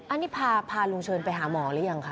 อันนี้พาลุงเชิญไปหาหมอแล้วยังครับ